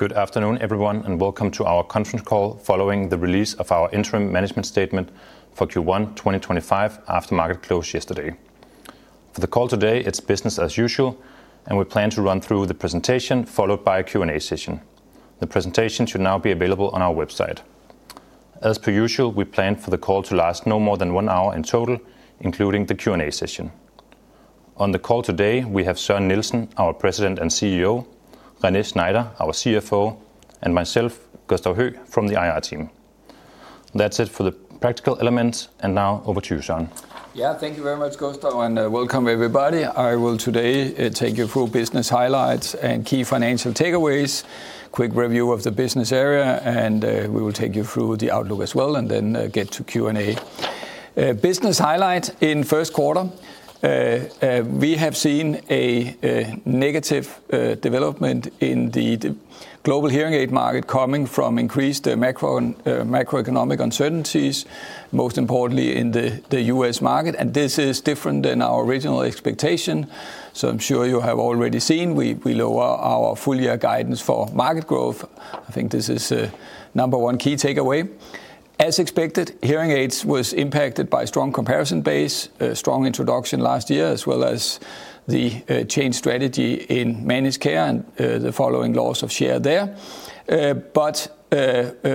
Good afternoon, everyone, and welcome to our conference call following the release of our interim management statement for Q1 2025 after market close yesterday. For the call today, it's business as usual, and we plan to run through the presentation followed by a Q&A session. The presentation should now be available on our website. As per usual, we plan for the call to last no more than one hour in total, including the Q&A session. On the call today, we have Søren Nielsen, our President and CEO, René Schneider, our CFO, and myself, Gustav Høegh, from the IR team. That's it for the practical elements, and now over to you, Søren. Yeah, thank you very much, Gustav, and welcome, everybody. I will today take you through business highlights and key financial takeaways, quick review of the business area, and we will take you through the outlook as well, and then get to Q&A. Business highlight in first quarter: we have seen a negative development in the global hearing aid market coming from increased macroeconomic uncertainties, most importantly in the U.S. market, and this is different than our original expectation. I am sure you have already seen we lower our full-year guidance for market growth. I think this is number one key takeaway. As expected, hearing aids was impacted by a strong comparison base, a strong introduction last year, as well as the change strategy in managed care and the following loss of share there, but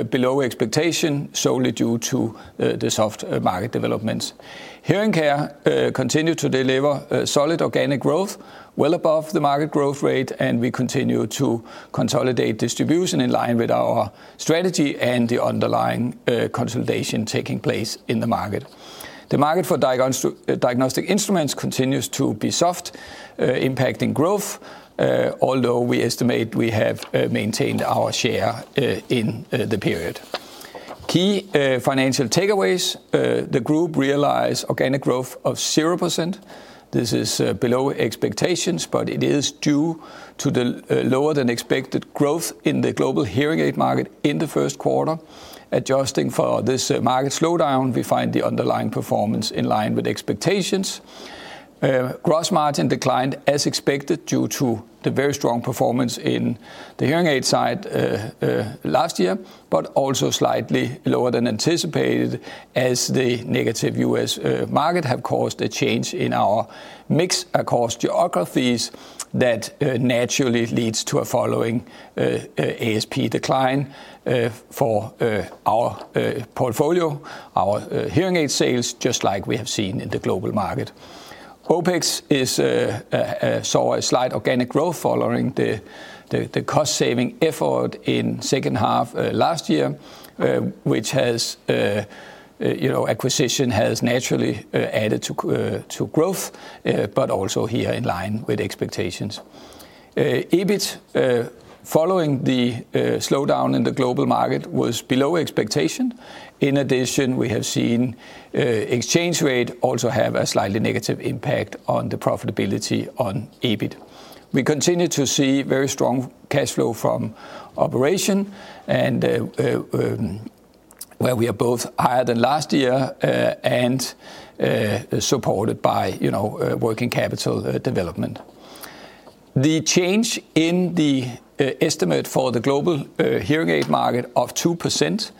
below expectation solely due to the soft market developments. Hearing care continues to deliver solid organic growth, well above the market growth rate, and we continue to consolidate distribution in line with our strategy and the underlying consolidation taking place in the market. The market for diagnostic instruments continues to be soft, impacting growth, although we estimate we have maintained our share in the period. Key financial takeaways: the group realized organic growth of 0%. This is below expectations, but it is due to the lower-than-expected growth in the global hearing aid market in the first quarter. Adjusting for this market slowdown, we find the underlying performance in line with expectations. Gross margin declined as expected due to the very strong performance in the hearing aid side last year, but also slightly lower than anticipated as the negative U.S. market has caused a change in our mix across geographies that naturally leads to a following ASP decline for our portfolio, our hearing aid sales, just like we have seen in the global market. OPEX saw a slight organic growth following the cost-saving effort in the second half last year, which acquisition has naturally added to growth, but also here in line with expectations. EBIT, following the slowdown in the global market, was below expectation. In addition, we have seen exchange rate also have a slightly negative impact on the profitability on EBIT. We continue to see very strong cash flow from operation, and where we are both higher than last year and supported by working capital development. The change in the estimate for the global hearing aid market of 2%,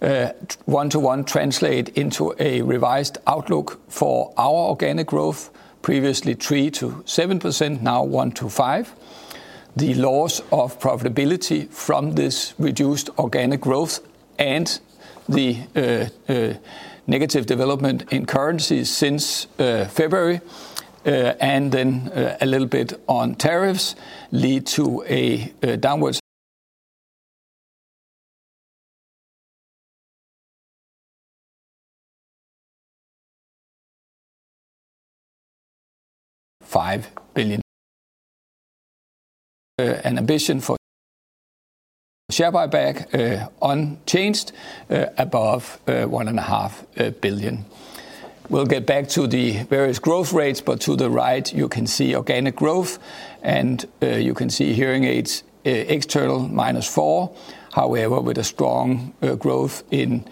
one-to-one, translates into a revised outlook for our organic growth, previously 3%-7%, now 1%-5%. The loss of profitability from this reduced organic growth and the negative development in currencies since February and then a little bit on tariffs lead to a downward $5 billion. An ambition for share buyback unchanged above $1.5 billion. We'll get back to the various growth rates, but to the right, you can see organic growth, and you can see hearing aids external -4%. However, with a strong growth in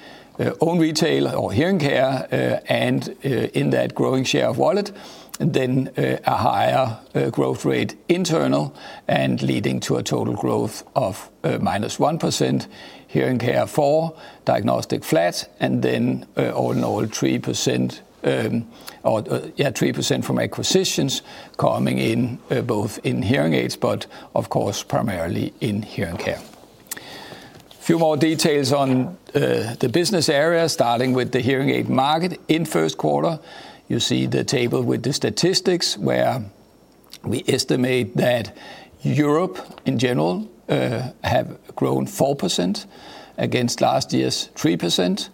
own retail or hearing care and in that growing share of wallet, then a higher growth rate internal and leading to a total growth of -1%. Hearing care 4%, diagnostic flat, and then all in all 3%, yeah, 3% from acquisitions coming in both in hearing aids, but of course primarily in hearing care. A few more details on the business area, starting with the hearing aid market. In first quarter, you see the table with the statistics where we estimate that Europe in general has grown 4% against last year's 3%.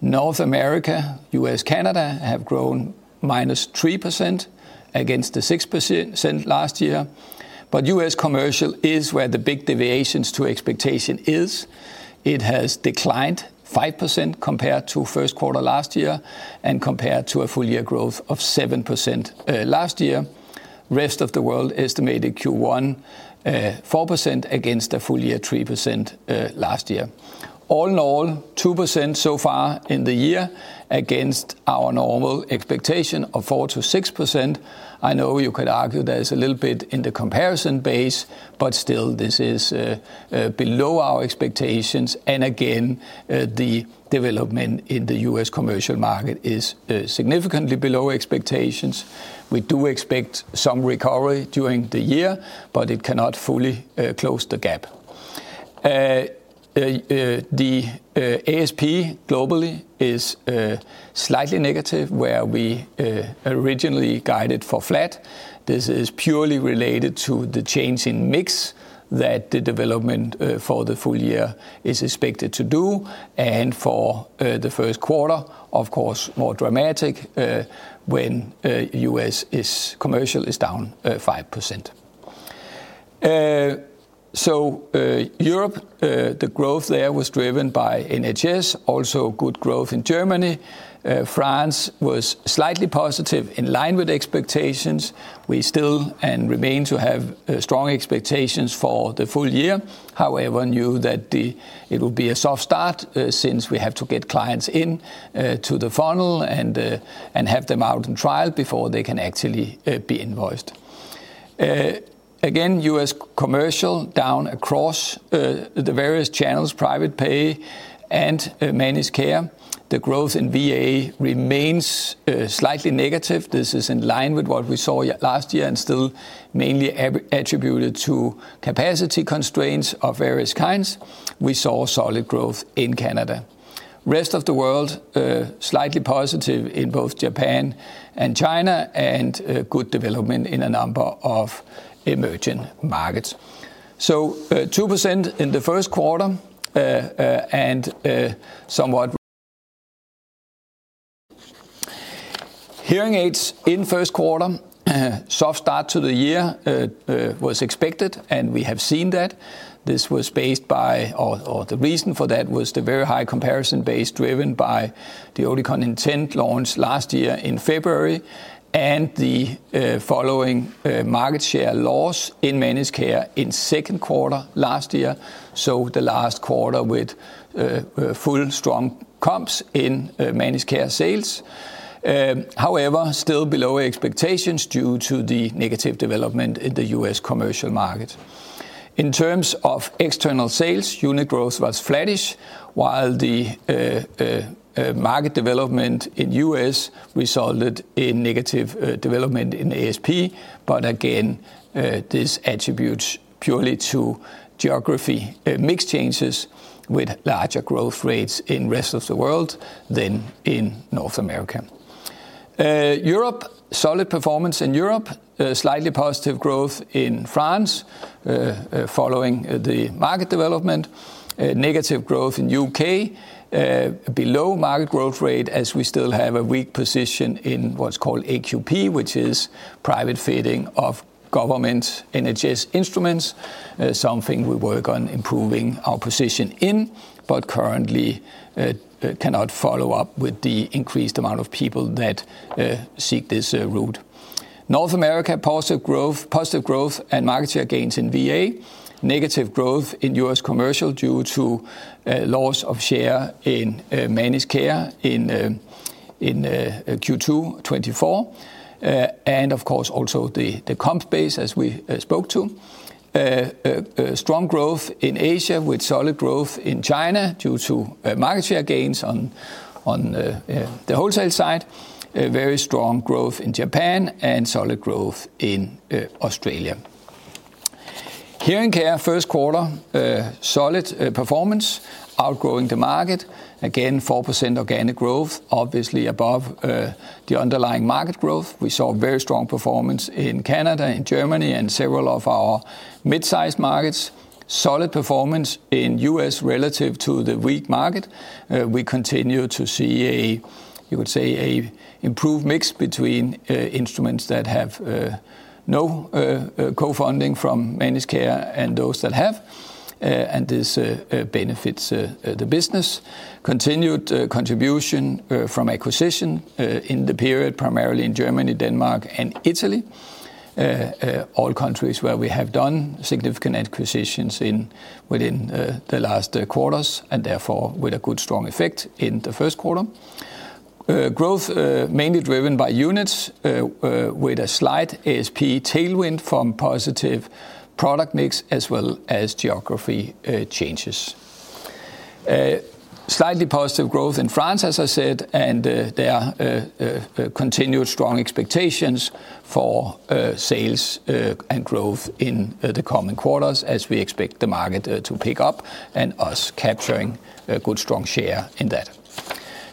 North America, U.S., Canada have grown -3% against the 6% last year, but U.S. commercial is where the big deviation to expectation is. It has declined 5% compared to first quarter last year and compared to a full-year growth of 7% last year. Rest of the world estimated Q1 4% against a full-year 3% last year. All in all, 2% so far in the year against our normal expectation of 4%-6%. I know you could argue there's a little bit in the comparison base, but still this is below our expectations. Again, the development in the U.S. commercial market is significantly below expectations. We do expect some recovery during the year, but it cannot fully close the gap. The ASP globally is slightly negative, where we originally guided for flat. This is purely related to the change in mix that the development for the full year is expected to do. For the first quarter, of course, more dramatic when U.S. commercial is down 5%. Europe, the growth there was driven by NHS, also good growth in Germany. France was slightly positive in line with expectations. We still and remain to have strong expectations for the full year. However, knew that it would be a soft start since we have to get clients into the funnel and have them out in trial before they can actually be invoiced. Again, U.S. commercial down across the various channels, private pay and managed care. The growth in VA remains slightly negative. This is in line with what we saw last year and still mainly attributed to capacity constraints of various kinds. We saw solid growth in Canada. Rest of the world, slightly positive in both Japan and China and good development in a number of emerging markets. 2% in the first quarter and somewhat. Hearing aids in first quarter, soft start to the year was expected, and we have seen that. This was based by, or the reason for that was the very high comparison base driven by the Oticon Intent launch last year in February and the following market share loss in managed care in second quarter last year. The last quarter with full strong comps in managed care sales. However, still below expectations due to the negative development in the U.S. commercial market. In terms of external sales, unit growth was flattish, while the market development in U.S. resulted in negative development in ASP, but again, this attributes purely to geography mix changes with larger growth rates in rest of the world than in North America. Europe, solid performance in Europe, slightly positive growth in France following the market development. Negative growth in the U.K., below market growth rate as we still have a weak position in what is called AQP, which is private fitting of government NHS instruments, something we work on improving our position in, but currently cannot follow up with the increased amount of people that seek this route. North America, positive growth and market share gains in VA. Negative growth in U.S. commercial due to loss of share in managed care in Q2 2024. Of course, also the comp base as we spoke to. Strong growth in Asia with solid growth in China due to market share gains on the wholesale side. Very strong growth in Japan and solid growth in Australia. Hearing care, first quarter, solid performance, outgrowing the market. Again, 4% organic growth, obviously above the underlying market growth. We saw very strong performance in Canada, in Germany, and several of our mid-sized markets. Solid performance in the U.S. relative to the weak market. We continue to see a, you would say, an improved mix between instruments that have no co-funding from managed care and those that have, and this benefits the business. Continued contribution from acquisition in the period, primarily in Germany, Denmark, and Italy, all countries where we have done significant acquisitions within the last quarters and therefore with a good strong effect in the first quarter. Growth mainly driven by units with a slight ASP tailwind from positive product mix as well as geography changes. Slightly positive growth in France, as I said, and there are continued strong expectations for sales and growth in the coming quarters as we expect the market to pick up and us capturing a good strong share in that.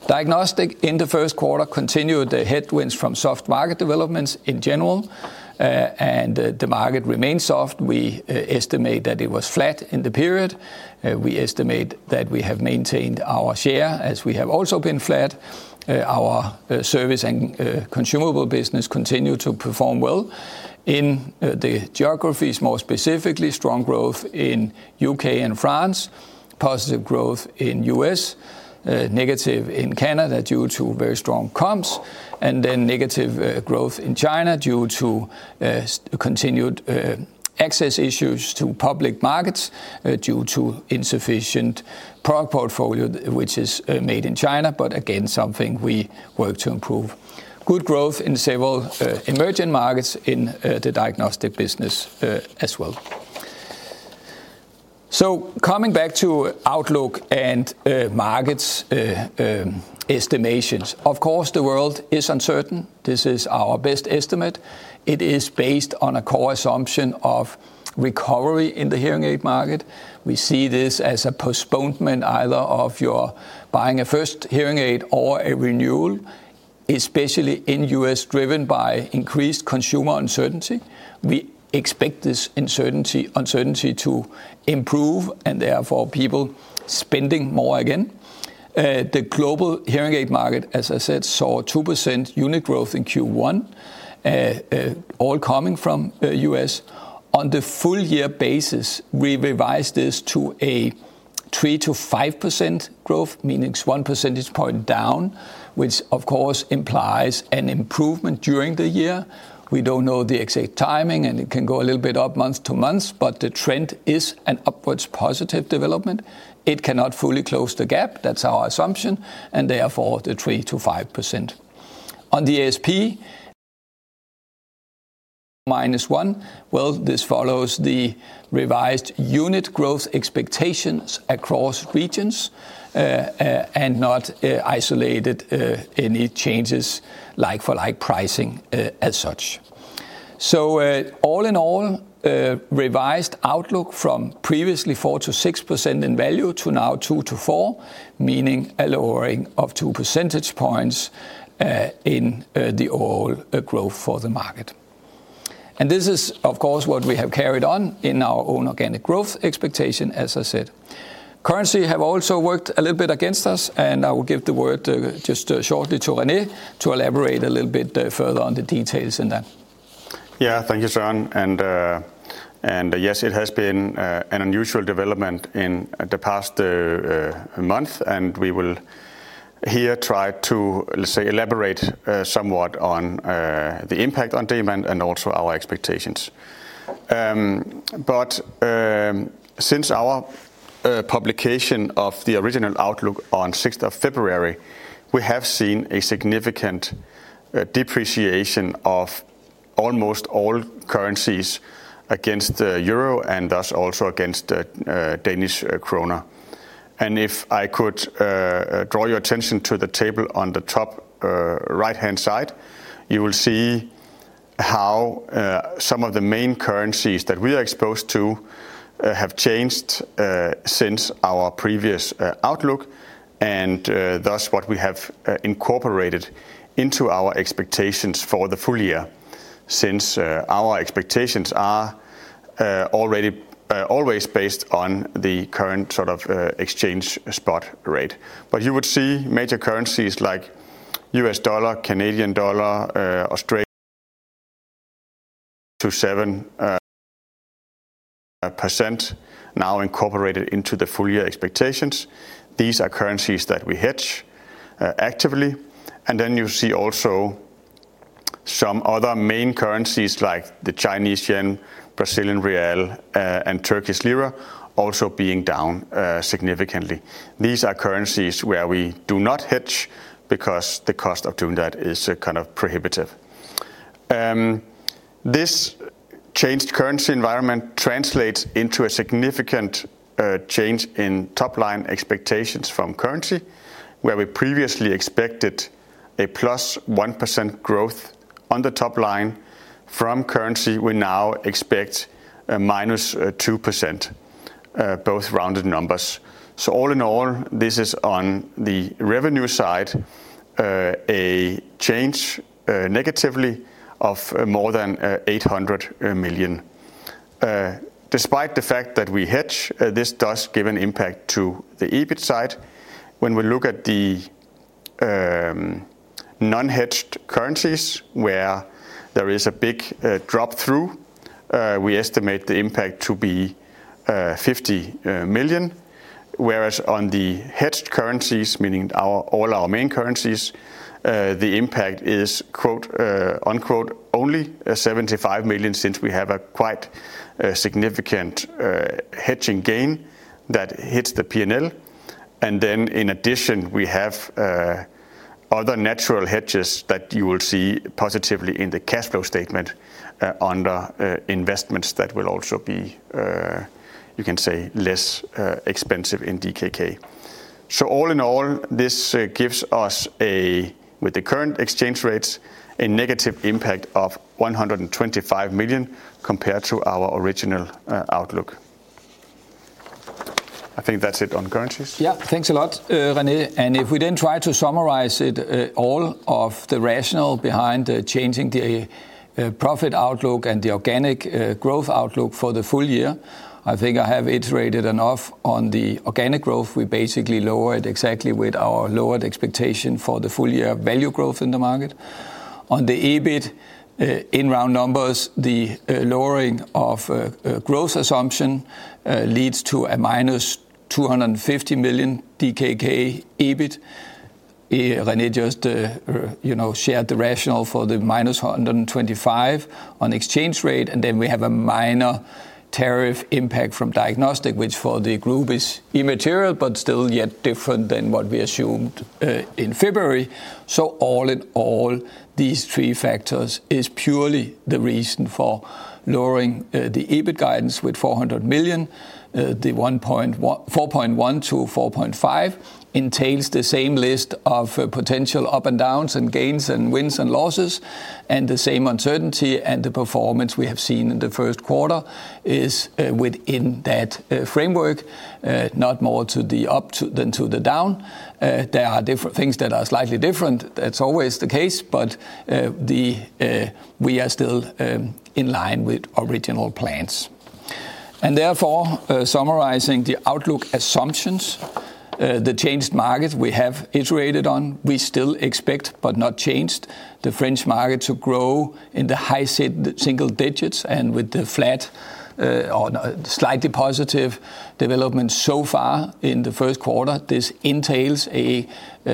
Diagnostic in the first quarter continued the headwinds from soft market developments in general, and the market remained soft. We estimate that it was flat in the period. We estimate that we have maintained our share as we have also been flat. Our service and consumable business continue to perform well in the geographies, more specifically strong growth in the U.K. and France, positive growth in the U.S., negative in Canada due to very strong comps, and then negative growth in China due to continued access issues to public markets due to insufficient product portfolio, which is made in China, but again, something we work to improve. Good growth in several emerging markets in the diagnostic business as well. Coming back to outlook and markets estimations, of course, the world is uncertain. This is our best estimate. It is based on a core assumption of recovery in the hearing aid market. We see this as a postponement either of your buying a first hearing aid or a renewal, especially in the U.S. driven by increased consumer uncertainty. We expect this uncertainty to improve and therefore people spending more again. The global hearing aid market, as I said, saw 2% unit growth in Q1, all coming from the U.S.. On the full-year basis, we revised this to a 3%-5% growth, meaning 1 percentage point down, which of course implies an improvement during the year. We do not know the exact timing, and it can go a little bit up month to month, but the trend is an upwards positive development. It cannot fully close the gap. That is our assumption, and therefore the 3%-5%. On the ASP, -1%, this follows the revised unit growth expectations across regions and not isolated any changes like-for-like pricing as such. All in all, revised outlook from previously 4%-6% in value to now 2%-4%, meaning a lowering of 2 percentage points in the overall growth for the market. This is, of course, what we have carried on in our own organic growth expectation, as I said. Currency has also worked a little bit against us, and I will give the word just shortly to René to elaborate a little bit further on the details in that. Yeah, thank you, Søren. Yes, it has been an unusual development in the past month, and we will here try to, let's say, elaborate somewhat on the impact on demand and also our expectations. Since our publication of the original outlook on 6th of February, we have seen a significant depreciation of almost all currencies against the euro and thus also against the Danish krone. If I could draw your attention to the table on the top right-hand side, you will see how some of the main currencies that we are exposed to have changed since our previous outlook and thus what we have incorporated into our expectations for the full year since our expectations are already always based on the current sort of exchange spot rate. You would see major currencies like U.S. dollar, Canadian dollar, Australian dollar to 7% now incorporated into the full-year expectations. These are currencies that we hedge actively. You see also some other main currencies like the Chinese yuan, Brazilian real, and Turkish lira also being down significantly. These are currencies where we do not hedge because the cost of doing that is kind of prohibitive. This changed currency environment translates into a significant change in top-line expectations from currency, where we previously expected a plus 1% growth on the top line from currency, we now expect -2%, both rounded numbers. All in all, this is on the revenue side, a change negatively of more than 800 million. Despite the fact that we hedge, this does give an impact to the EBIT side. When we look at the non-hedged currencies, where there is a big drop through, we estimate the impact to be 50 million, whereas on the hedged currencies, meaning all our main currencies, the impact is "only" 75 million since we have a quite significant hedging gain that hits the P&L. In addition, we have other natural hedges that you will see positively in the cash flow statement under investments that will also be, you can say, less expensive in DKK. All in all, this gives us, with the current exchange rates, a negative impact of 125 million compared to our original outlook. I think that's it on currencies. Yeah, thanks a lot, René. If we then try to summarize all of the rationale behind changing the profit outlook and the organic growth outlook for the full year, I think I have iterated enough on the organic growth. We basically lower it exactly with our lowered expectation for the full-year value growth in the market. On the EBIT, in round numbers, the lowering of growth assumption leads to a -250 million DKK EBIT. René just shared the rationale for the -125 on exchange rate, and then we have a minor tariff impact from diagnostic, which for the group is immaterial, but still yet different than what we assumed in February. All in all, these three factors is purely the reason for lowering the EBIT guidance with 400 million. The 4.1 billion-4.5 billion entails the same list of potential up and downs and gains and wins and losses, and the same uncertainty and the performance we have seen in the first quarter is within that framework, not more to the up than to the down. There are different things that are slightly different. That is always the case, but we are still in line with original plans. Therefore, summarizing the outlook assumptions, the changed market we have iterated on, we still expect, but not changed, the French market to grow in the high single digits and with the flat or slightly positive development so far in the first quarter. This entails a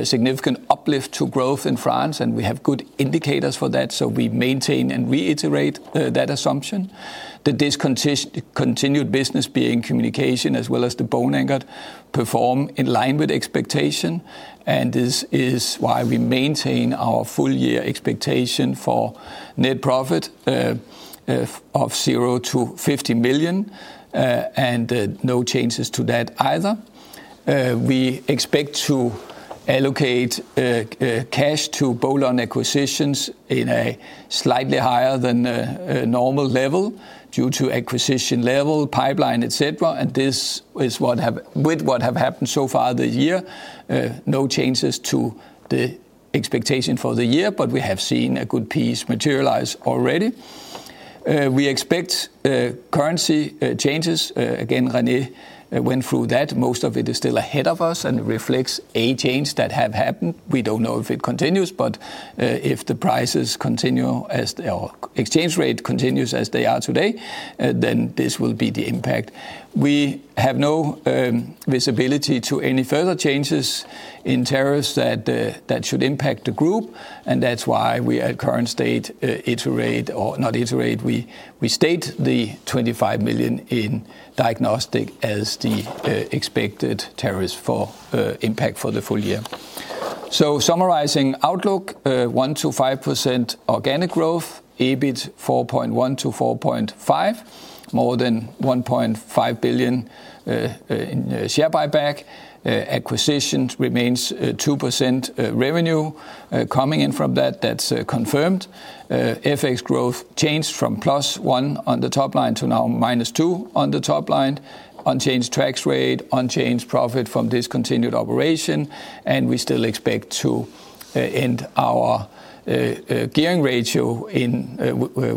significant uplift to growth in France, and we have good indicators for that, so we maintain and reiterate that assumption. That this continued business being communication as well as the bone anchored perform in line with expectation, and this is why we maintain our full-year expectation for net profit of 0-50 million and no changes to that either. We expect to allocate cash to bolon acquisitions in a slightly higher than normal level due to acquisition level, pipeline, etc. This is what has happened so far this year. No changes to the expectation for the year, but we have seen a good piece materialize already. We expect currency changes. Again, René went through that. Most of it is still ahead of us and reflects a change that has happened. We do not know if it continues, but if the prices continue or exchange rate continues as they are today, then this will be the impact. We have no visibility to any further changes in tariffs that should impact the group, and that is why we at current state state the 25 million in diagnostic as the expected tariffs for impact for the full year. Summarizing outlook, 1%-5% organic growth, EBIT 4.1 billion-4.5 billion, more than 1.5 billion in share buyback. Acquisitions remains 2% revenue coming in from that. That is confirmed. FX growth changed from plus 1 on the top line to now -2 on the top line. Unchanged tax rate, unchanged profit from discontinued operation, and we still expect to end our gearing ratio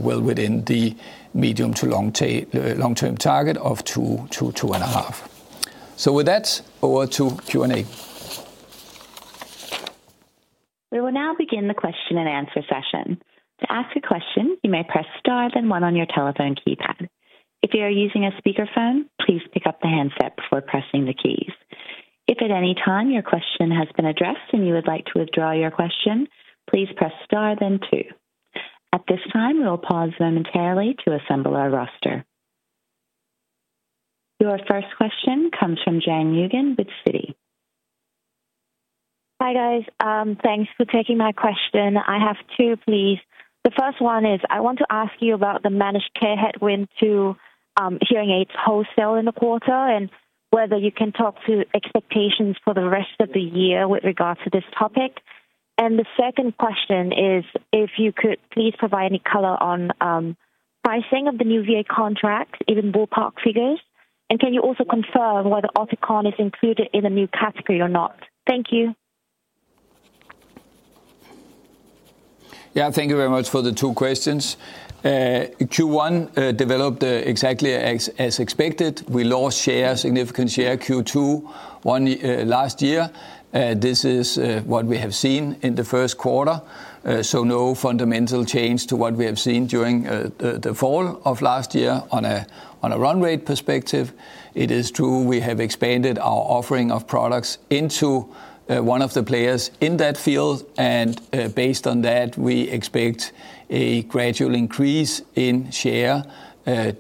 well within the medium to long-term target of 2%-2.5%. With that, over to Q&A. We will now begin the question and answer session. To ask a question, you may press star then one on your telephone keypad. If you are using a speakerphone, please pick up the handset before pressing the keys. If at any time your question has been addressed and you would like to withdraw your question, please press star then two. At this time, we will pause momentarily to assemble our roster. Your first question comes from [Jan Eugen] with Citi. Hi guys. Thanks for taking my question. I have two pleas. The first one is I want to ask you about the managed care headwind to hearing aids wholesale in the quarter and whether you can talk to expectations for the rest of the year with regards to this topic. The second question is if you could please provide any color on pricing of the new VA contract, even ballpark figures, and can you also confirm whether Oticon is included in the new category or not? Thank you. Yeah, thank you very much for the two questions. Q1 developed exactly as expected. We lost significant share Q2 last year. This is what we have seen in the first quarter. No fundamental change to what we have seen during the fall of last year on a run rate perspective. It is true we have expanded our offering of products into one of the players in that field, and based on that, we expect a gradual increase in share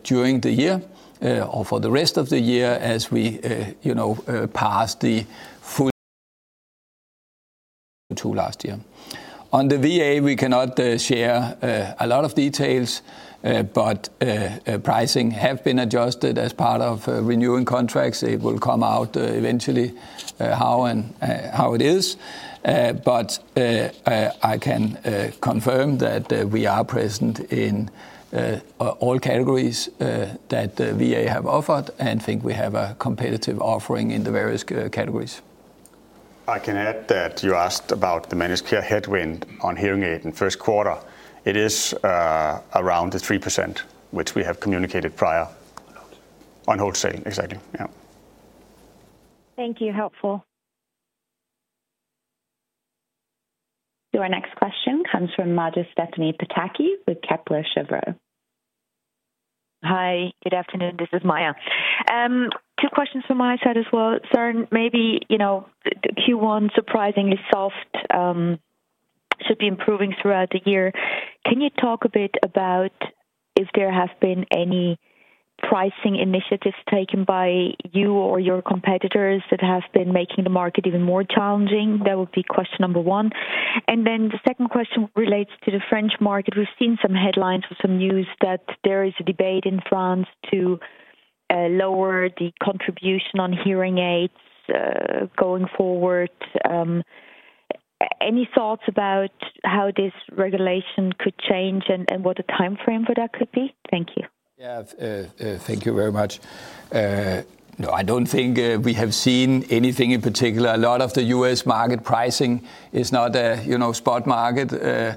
during the year or for the rest of the year as we pass the full year to last year. On the VA, we cannot share a lot of details, but pricing has been adjusted as part of renewing contracts. It will come out eventually how it is. I can confirm that we are present in all categories that VA have offered and think we have a competitive offering in the various categories. I can add that you asked about the managed care headwind on hearing aid in first quarter. It is around 3%, which we have communicated prior. On wholesale. On wholesale, exactly. Yeah. Thank you. Helpful. Our next question comes from Maja Stephanie Pataki with Kepler Cheuvreux. Hi, good afternoon. This is Maja. Two questions from my side as well. Søren, maybe Q1 surprisingly soft should be improving throughout the year. Can you talk a bit about if there have been any pricing initiatives taken by you or your competitors that have been making the market even more challenging? That would be question number one. The second question relates to the French market. We've seen some headlines with some news that there is a debate in France to lower the contribution on hearing aids going forward. Any thoughts about how this regulation could change and what the timeframe for that could be? Thank you. Yeah, thank you very much. No, I do not think we have seen anything in particular. A lot of the U.S. market pricing is not a spot market,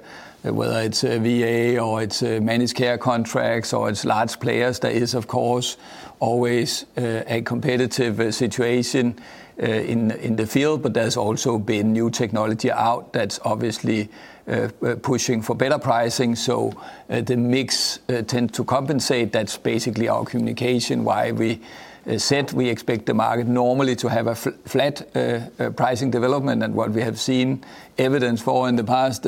whether it is VA or it is managed care contracts or it is large players. There is, of course, always a competitive situation in the field, but there has also been new technology out that is obviously pushing for better pricing. The mix tends to compensate. That is basically our communication, why we said we expect the market normally to have a flat pricing development and what we have seen evidence for in the past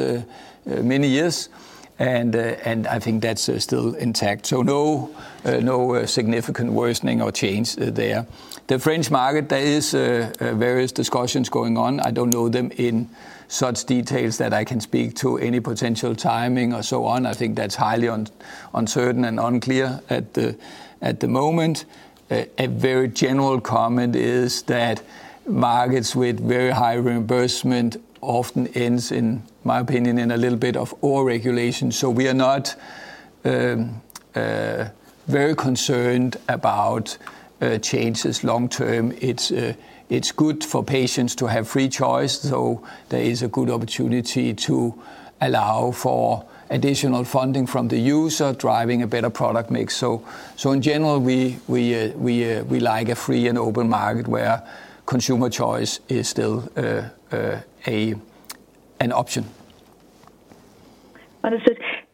many years. I think that is still intact. No significant worsening or change there. The French market, there are various discussions going on. I do not know them in such details that I can speak to any potential timing or so on. I think that is highly uncertain and unclear at the moment. A very general comment is that markets with very high reimbursement consumer choice is still an option.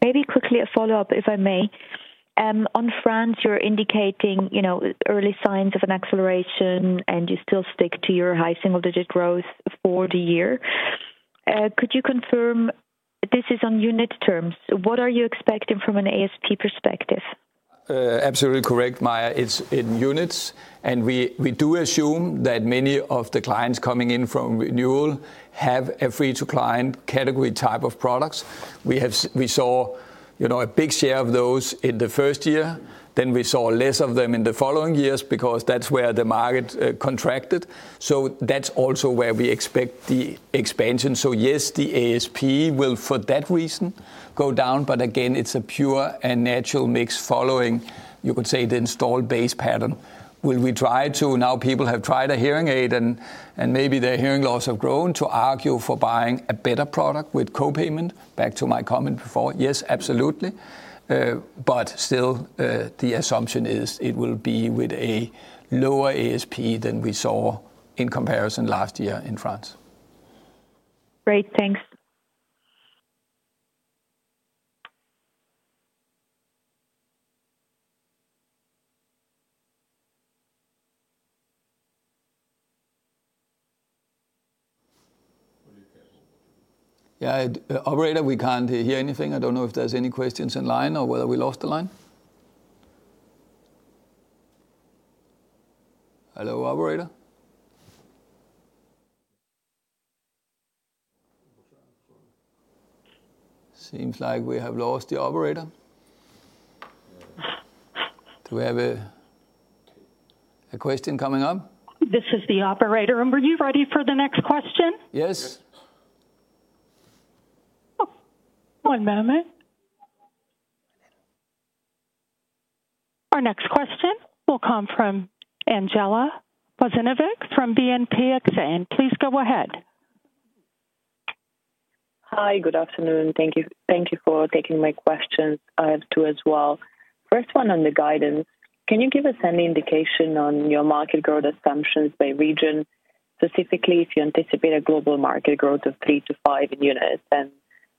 Maybe quickly a follow-up, if I may. On France, you are indicating early signs of an acceleration, and you still stick to your high single-digit growth for the year. Could you confirm this is on unit terms? What are you expecting from an ASP perspective? Absolutely correct, Maja. It is in units, and we do assume that many of the clients coming in from renewal have a free-to-client category type of products. We saw a big share of those in the first year. Then we saw less of them in the following years because that is where the market contracted. That is also where we expect the expansion. Yes, the ASP will, for that reason, go down. Again, it is a pure and natural mix following, you could say, the installed base pattern. Will we try to, now people have tried a hearing aid, and maybe their hearing loss has grown to argue for buying a better product with co-payment? Back to my comment before, yes, absolutely. Still, the assumption is it will be with a lower ASP than we saw in comparison last year in France. Great. Thanks. Operator, we cannot hear anything. I do not know if there are any questions in line or whether we lost the line. Hello, operator. Seems like we have lost the operator. Do we have a question coming up? This is the operator. Were you ready for the next question? Yes. One moment. Our next question will come from Andjela Bozinovic from BNPP Exane. Please go ahead. Hi, good afternoon. Thank you for taking my questions. I have two as well. First one on the guidance. Can you give us any indication on your market growth assumptions by region, specifically if you anticipate a global market growth of 3%-5% in units and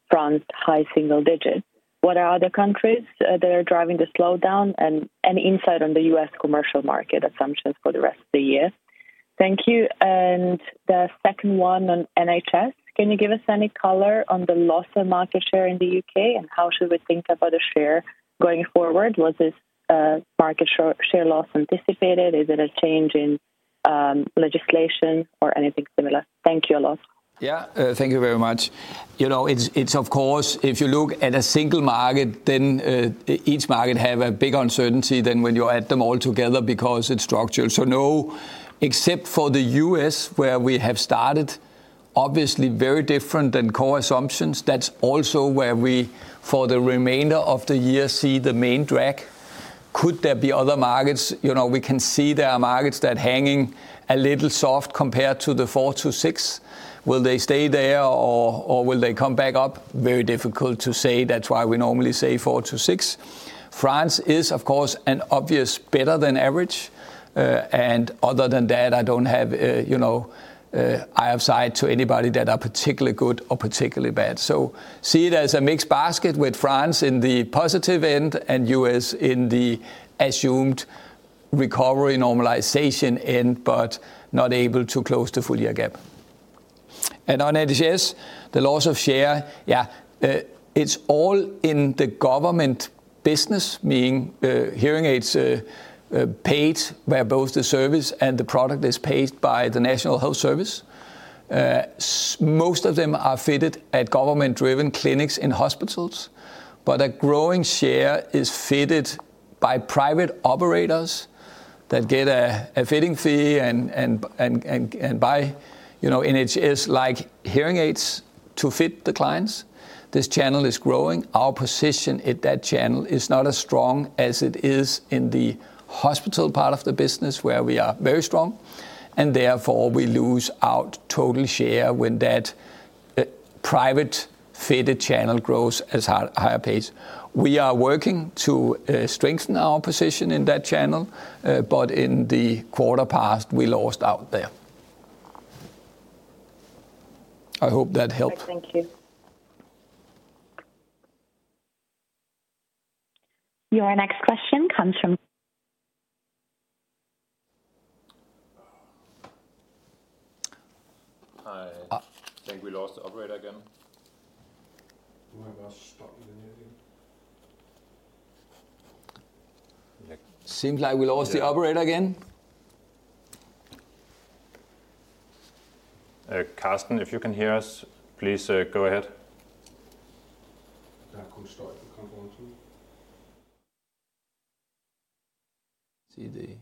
France's high single digit? What are other countries that are driving the slowdown and any insight on the U.S. commercial market assumptions for the rest of the year? Thank you. The second one on NHS. Can you give us any color on the loss of market share in the U.K., and how should we think about the share going forward? Was this market share loss anticipated? Is it a change in legislation or anything similar? Thank you a lot. Yeah, thank you very much. You know, it's of course, if you look at a single market, then each market has a big uncertainty when you add them all together because it's structural. No, except for the U.S., where we have started, obviously very different than core assumptions. That's also where we, for the remainder of the year, see the main drag. Could there be other markets? You know, we can see there are markets that are hanging a little soft compared to the 4%-6%. Will they stay there, or will they come back up? Very difficult to say. That's why we normally say 4%-6%. France is, of course, an obvious better than average. Other than that, I don't have either side to anybody that are particularly good or particularly bad. See it as a mixed basket with France in the positive end and U.S. in the assumed recovery normalization end, but not able to close the full year gap. On NHS, the loss of share, yeah, it's all in the government business, meaning hearing aids paid where both the service and the product is paid by the National Health Service. Most of them are fitted at government-driven clinics in hospitals, but a growing share is fitted by private operators that get a fitting fee and buy NHS-like hearing aids to fit the clients. This channel is growing. Our position in that channel is not as strong as it is in the hospital part of the business, where we are very strong, and therefore we lose out total share when that private-fitted channel grows at a higher pace. We are working to strengthen our position in that channel, but in the quarter past, we lost out there. I hope that helped. Thank you. Your next question comes from. Hi. I think we lost the operator again. Seems like we lost the operator again. Carsten, if you can hear us, please go ahead. Hi,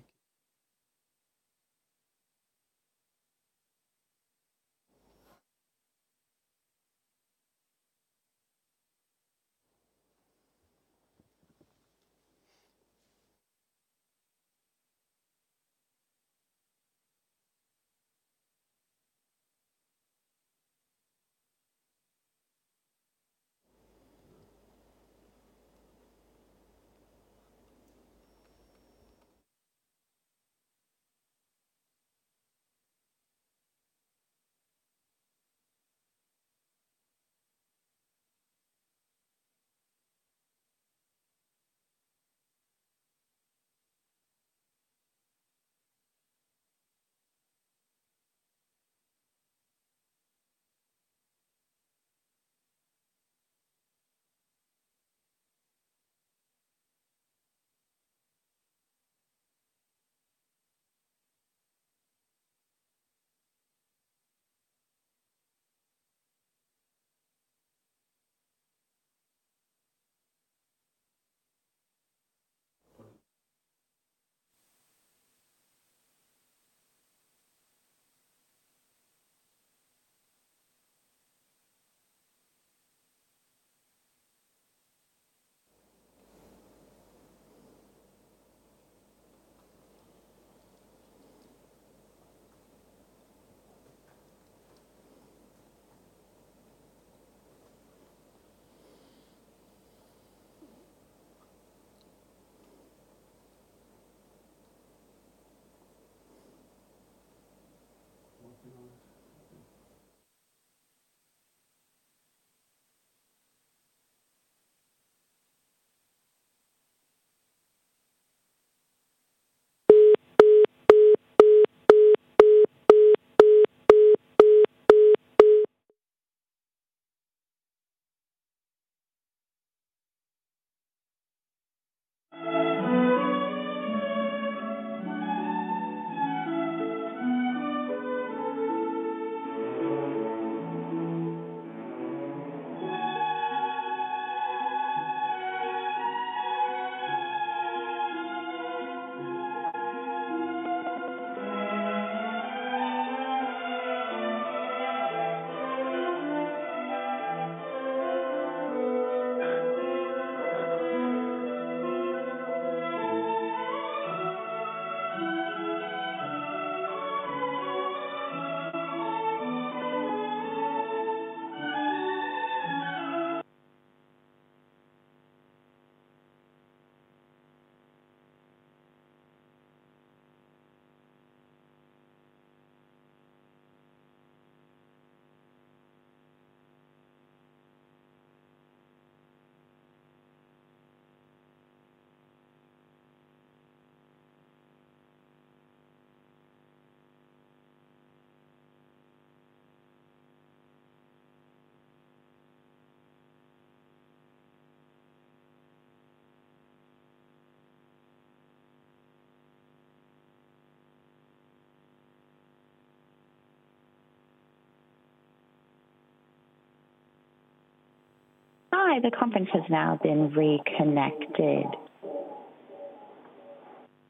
the conference has now been reconnected.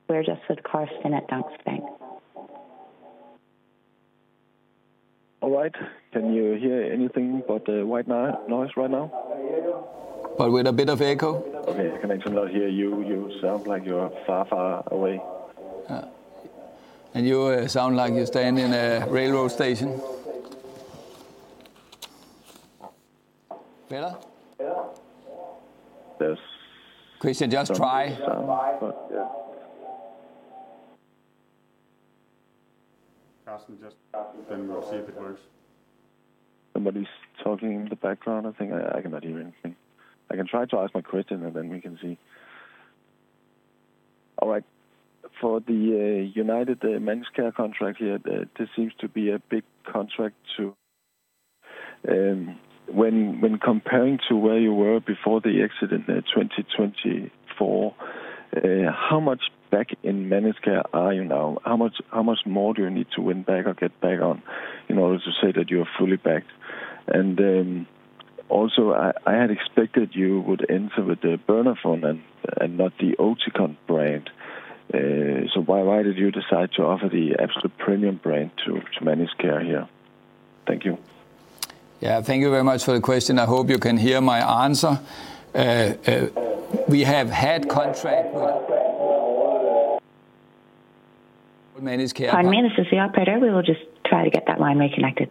We're just with Carsten at Danske Bank. All right. Can you hear anything but the white noise right now? With a bit of echo. Okay, I can actually not hear you. You sound like you're far, far away. And you sound like you're staying in a railroad station. Better? Carsten, just try. Carsten, just try it and see if it works. Somebody's talking in the background. I think I can not hear anything. I can try to ask my question, and then we can see. All right. For the United Managed Care contract here, this seems to be a big contract too. When comparing to where you were before the exit in 2024, how much back in managed care are you now? How much more do you need to win back or get back on in order to say that you're fully backed? I had expected you would enter with the Bernafon and not the Oticon brand. Why did you decide to offer the absolute premium brand to managed care here? Thank you. Yeah, thank you very much for the question. I hope you can hear my answer. We have had contract with managed care. Hi, Maja. This is the operator. We will just try to get that line reconnected.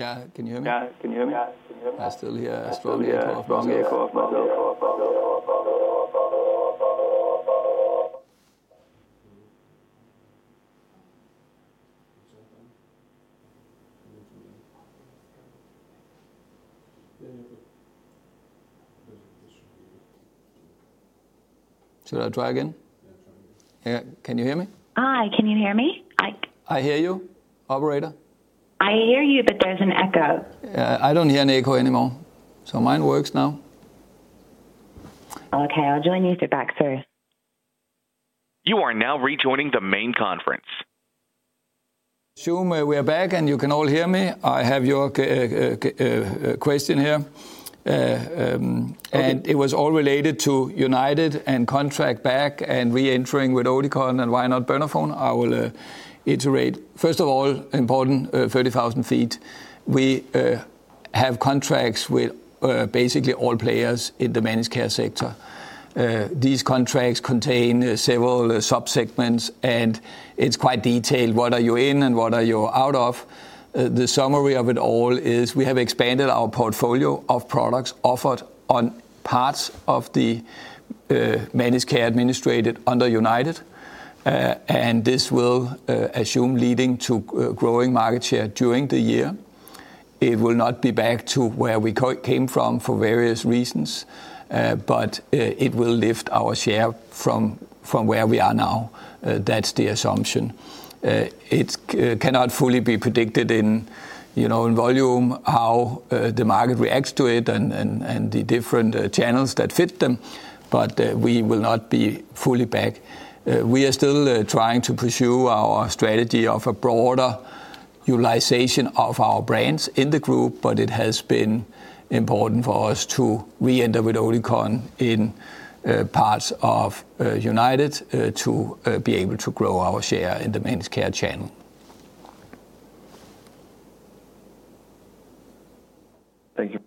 Yeah, can you hear me? Yeah, can you hear me? I'm still here. I struggle to respond. Should I try again? Yeah, try again. Can you hear me? Hi, can you hear me? Hi. I hear you, operator. I hear you, but there's an echo. I don't hear an echo anymore. Mine works now. Okay, I'll join you through back, sir. You are now rejoining the main conference. Assume we are back and you can all hear me. I have your question here. It was all related to United and contract back and re-entering with Oticon and why not Bernafon? I will iterate. First of all, important 30,000 feet. We have contracts with basically all players in the managed care sector. These contracts contain several subsegments, and it's quite detailed what are you in and what are you out of. The summary of it all is we have expanded our portfolio of products offered on parts of the managed care administrated under United. This will assume leading to growing market share during the year. It will not be back to where we came from for various reasons, but it will lift our share from where we are now. That is the assumption. It cannot fully be predicted in volume, how the market reacts to it, and the different channels that fit them. We will not be fully back. We are still trying to pursue our strategy of a broader utilization of our brands in the group, but it has been important for us to re-enter with Oticon in parts of United to be able to grow our share in the managed care channel. Thank you.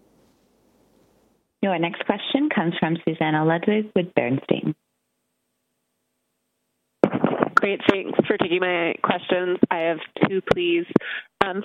Your next question comes from Susannah Ludwig with Bernstein. Great. Thanks for taking my questions. I have two, please.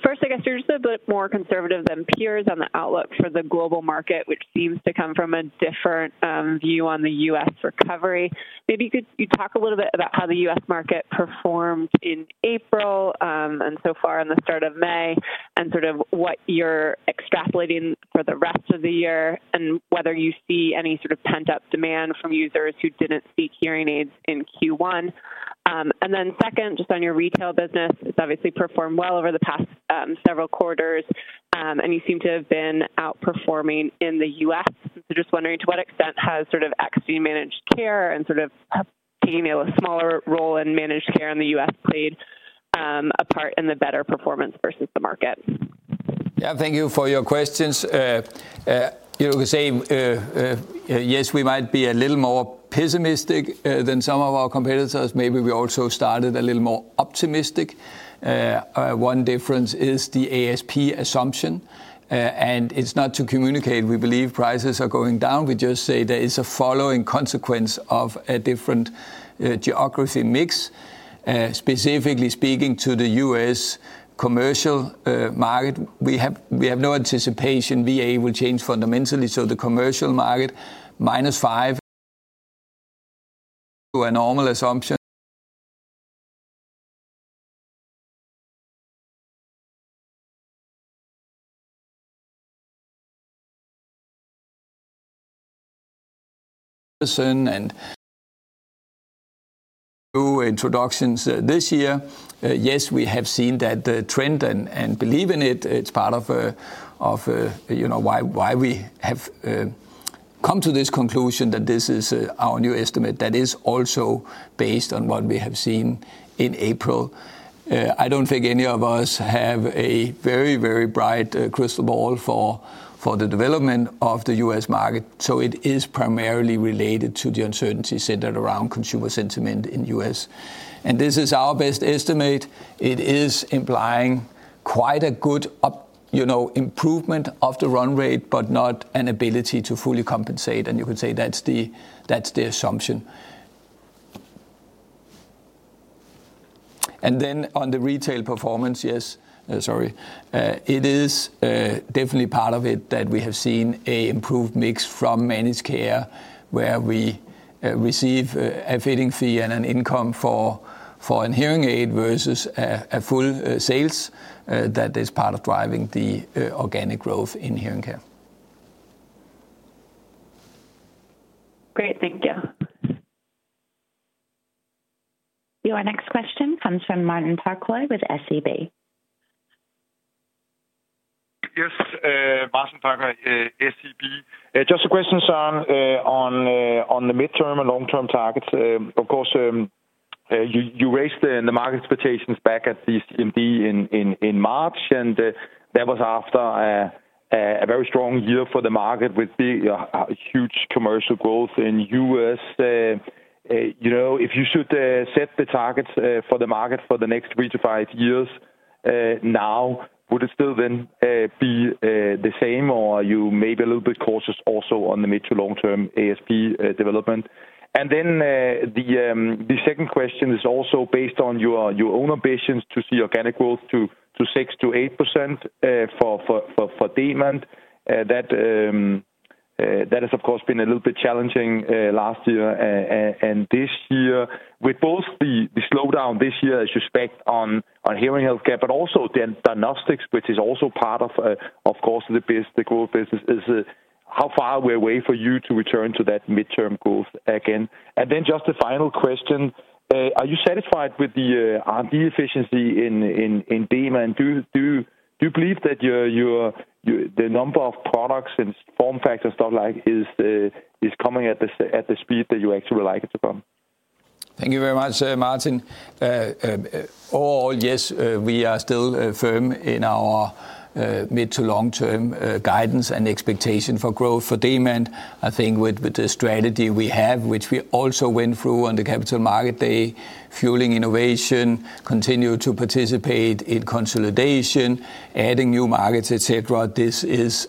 First, I guess you're just a bit more conservative than peers on the outlook for the global market, which seems to come from a different view on the U.S. recovery. Maybe you could talk a little bit about how the U.S. market performed in April and so far in the start of May, and sort of what you're extrapolating for the rest of the year, and whether you see any sort of pent-up demand from users who didn't see hearing aids in Q1. Second, just on your retail business, it's obviously performed well over the past several quarters, and you seem to have been outperforming in the U.S.. Just wondering to what extent has sort of exiting managed care and sort of taking a smaller role in managed care in the U.S. played a part in the better performance versus the market? Yeah, thank you for your questions. You could say, yes, we might be a little more pessimistic than some of our competitors. Maybe we also started a little more optimistic. One difference is the ASP assumption. It is not to communicate we believe prices are going down. We just say there is a following consequence of a different geography mix. Specifically speaking to the U.S. commercial market, we have no anticipation VA will change fundamentally. The commercial market, -5, to a normal assumption. Two introductions this year. Yes, we have seen that trend and believe in it. It is part of why we have come to this conclusion that this is our new estimate that is also based on what we have seen in April. I do not think any of us have a very, very bright crystal ball for the development of the U.S. market. It is primarily related to the uncertainty centered around consumer sentiment in the U.S.. This is our best estimate. It is implying quite a good improvement of the run rate, but not an ability to fully compensate. You could say that's the assumption. On the retail performance, yes, sorry. It is definitely part of it that we have seen an improved mix from managed care, where we receive a fitting fee and an income for a hearing aid versus a full sale. That is part of driving the organic growth in hearing care. Great. Thank you. Your next question comes from Martin Parkhøi with SEB. Yes, Martin Parkhøi, SEB. Just a question, Søren, on the midterm and long-term targets. Of course, you raised the market expectations back at the CMD in March, and that was after a very strong year for the market with huge commercial growth in the U.S.. If you should set the targets for the market for the next three to five years now, would it still then be the same, or are you maybe a little bit cautious also on the mid to long-term ASP development? The second question is also based on your own ambitions to see organic growth to 6-8% for Demant. That has, of course, been a little bit challenging last year and this year, with both the slowdown this year as you expect on hearing healthcare, but also diagnostics, which is also part of, of course, the growth business. How far are we away for you to return to that midterm growth again? Just the final question. Are you satisfied with the R&D efficiency in Demant? Do you believe that the number of products and form factors, stuff like that, is coming at the speed that you actually would like it to come? Thank you very much, Martin. Overall, yes, we are still firm in our mid to long-term guidance and expectation for growth for Demant. I think with the strategy we have, which we also went through on the Capital Market Day, fueling innovation, continue to participate in consolidation, adding new markets, et cetera, this is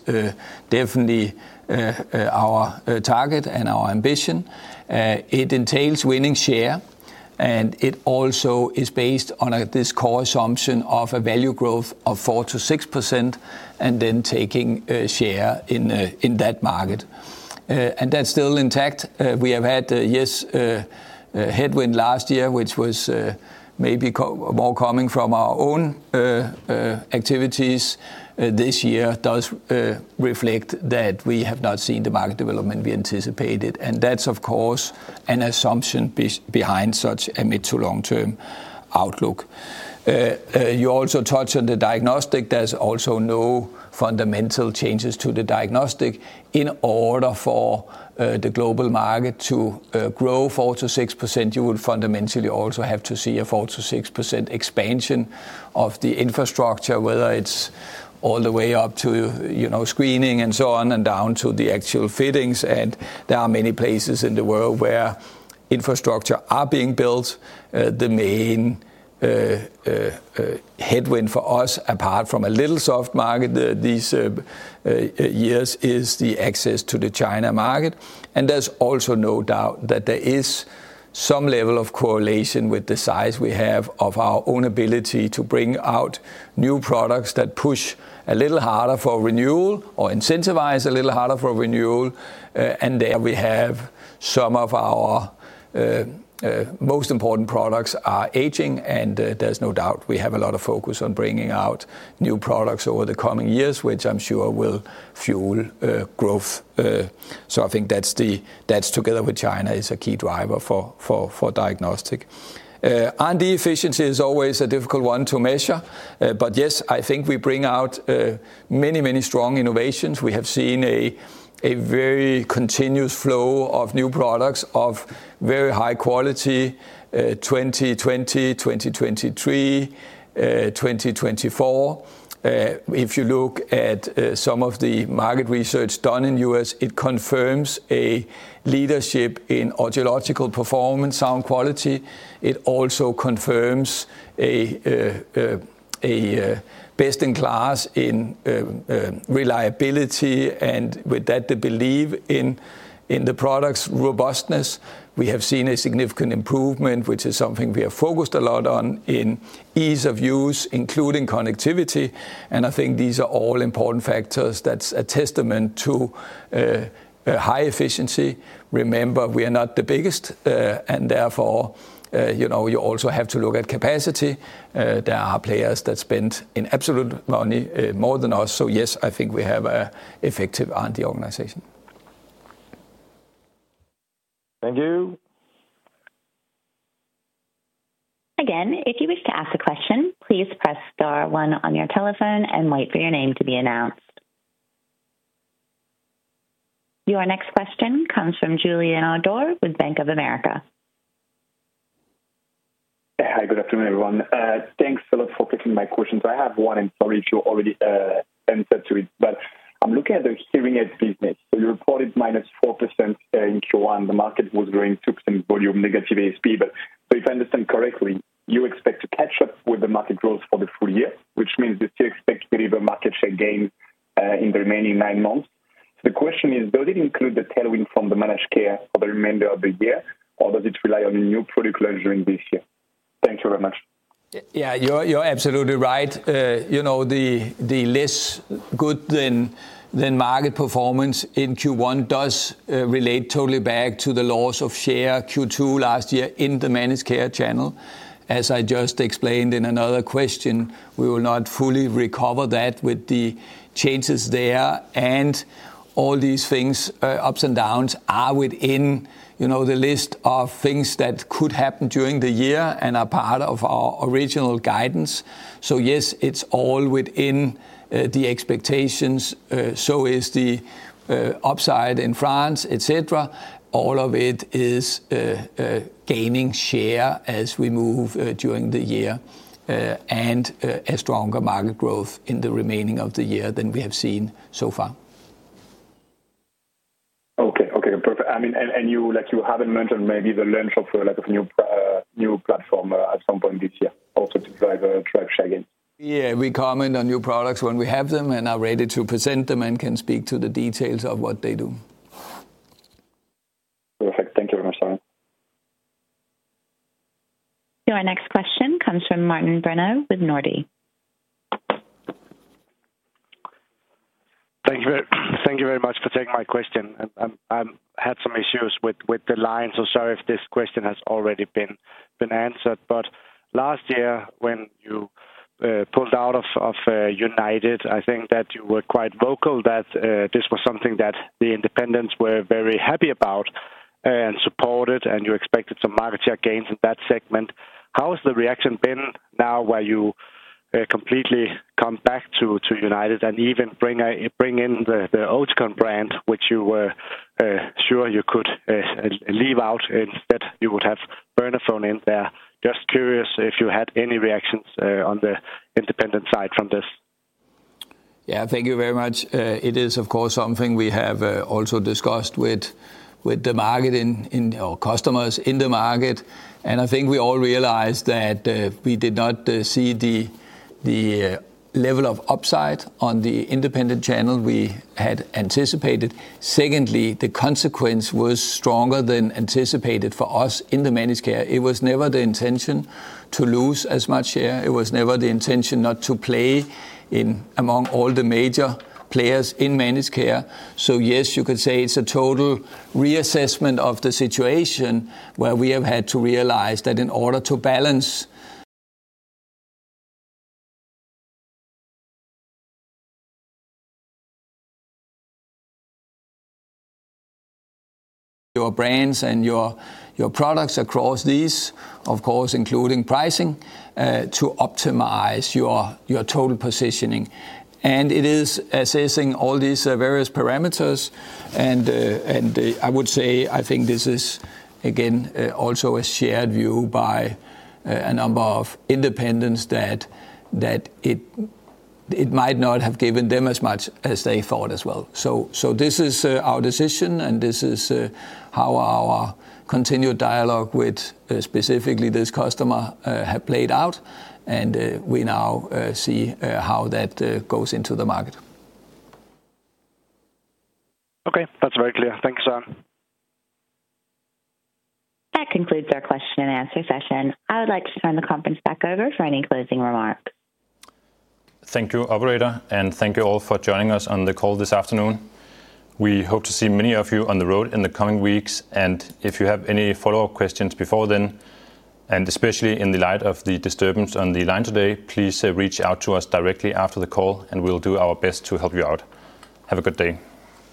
definitely our target and our ambition. It entails winning share, and it also is based on this core assumption of a value growth of 4%-6% and then taking share in that market. That is still intact. We have had, yes, headwind last year, which was maybe more coming from our own activities. This year does reflect that we have not seen the market development we anticipated. That's, of course, an assumption behind such a mid to long-term outlook. You also touched on the diagnostic. There's also no fundamental changes to the diagnostic. In order for the global market to grow 4-6%, you would fundamentally also have to see a 4-6% expansion of the infrastructure, whether it's all the way up to screening and so on and down to the actual fittings. There are many places in the world where infrastructure are being built. The main headwind for us, apart from a little soft market these years, is the access to the China market. There is also no doubt that there is some level of correlation with the size we have of our own ability to bring out new products that push a little harder for renewal or incentivize a little harder for renewal. There we have some of our most important products are aging. There is no doubt we have a lot of focus on bringing out new products over the coming years, which I am sure will fuel growth. I think that together with China is a key driver for diagnostic. R&D efficiency is always a difficult one to measure. Yes, I think we bring out many, many strong innovations. We have seen a very continuous flow of new products of very high quality: 2020, 2023, 2024. If you look at some of the market research done in the U.S., it confirms a leadership in audiological performance, sound quality. It also confirms a best in class in reliability and with that, the belief in the product's robustness. We have seen a significant improvement, which is something we have focused a lot on in ease of use, including connectivity. I think these are all important factors that are a testament to high efficiency. Remember, we are not the biggest, and therefore, you also have to look at capacity. There are players that spend in absolute money more than us. Yes, I think we have an effective R&D organization. Thank you. Again, if you wish to ask a question, please press star one on your telephone and wait for your name to be announced. Your next question comes from Julien Ouaddour with Bank of America. Hi, good afternoon, everyone. Thanks, Philip, for picking my question. I have one and probably you already answered to it, but I'm looking at the hearing aid business. You reported -4% in Q1. The market was growing 2% volume, negative ASP. If I understand correctly, you expect to catch up with the market growth for the full year, which means you still expect to deliver market share gains in the remaining nine months. The question is, does it include the tailwind from the managed care for the remainder of the year, or does it rely on a new product launch during this year? Thank you very much. Yeah, you're absolutely right. The less good than market performance in Q1 does relate totally back to the loss of share Q2 last year in the managed care channel. As I just explained in another question, we will not fully recover that with the changes there. All these things, ups and downs, are within the list of things that could happen during the year and are part of our original guidance. Yes, it is all within the expectations. The upside in France, et cetera, is as well. All of it is gaining share as we move during the year and a stronger market growth in the remaining of the year than we have seen so far. Okay, okay. Perfect. You have not mentioned maybe the launch of a new platform at some point this year also to drive share gains. We comment on new products when we have them and are ready to present them and can speak to the details of what they do. Perfect. Thank you very much, Søren. Your next question comes from Martin Brenøe with Nordea. Thank you very much for taking my question. I had some issues with the line, so sorry if this question has already been answered. Last year, when you pulled out of UnitedHealthcare, I think that you were quite vocal that this was something that the independents were very happy about and supported, and you expected some market share gains in that segment. How has the reaction been now where you completely come back to UnitedHealthcare and even bring in the Oticon brand, which you were sure you could leave out instead? You would have Brunner thrown in there. Just curious if you had any reactions on the independent side from this. Yeah, thank you very much. It is, of course, something we have also discussed with the market and our customers in the market. I think we all realized that we did not see the level of upside on the independent channel we had anticipated. Secondly, the consequence was stronger than anticipated for us in the managed care. It was never the intention to lose as much share. It was never the intention not to play among all the major players in managed care. Yes, you could say it is a total reassessment of the situation where we have had to realize that in order to balance your brands and your products across these, of course, including pricing, to optimize your total positioning. It is assessing all these various parameters. I would say, I think this is, again, also a shared view by a number of independents that it might not have given them as much as they thought as well. This is our decision, and this is how our continued dialogue with specifically this customer has played out. We now see how that goes into the market. Okay, that's very clear. Thank you, Søren. That concludes our question and answer session. I would like to turn the conference back over for any closing remarks. Thank you, Operator, and thank you all for joining us on the call this afternoon. We hope to see many of you on the road in the coming weeks. If you have any follow-up questions before then, and especially in the light of the disturbance on the line today, please reach out to us directly after the call, and we'll do our best to help you out. Have a good day.